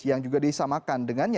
yang juga disamakan dengannya